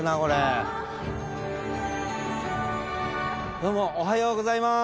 どうもおはようございます。